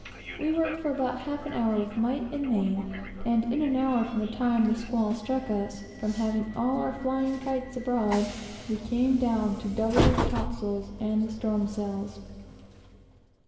We worked for about half an hour with might and main; and in an hour from the time the squall struck us, from having all our flying kites abroad, we came down to double reefed top sails and the storm sails.